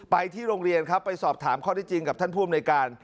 ไปที่โรงเรียนครับไปสอบถามข้อได้จริงกับท่านผู้อำนวยการ